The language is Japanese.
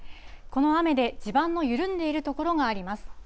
この雨で、地盤の緩んでいる所があります。